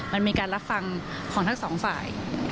มันมีการรับฟังของทั้งสองฝ่าย